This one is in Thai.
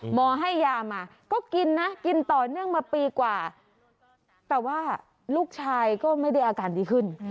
หมอให้ยามาก็กินนะกินต่อเนื่องมาปีกว่าแต่ว่าลูกชายก็ไม่ได้อาการดีขึ้น